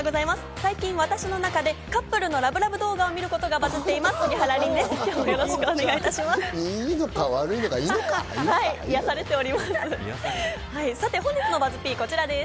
最近私の中でカップルのラブラブ動画を見る事がバズっています、杉原凜です。